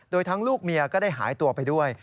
โดยทั้งลูกเมียก็ได้หายตัวไปด้วย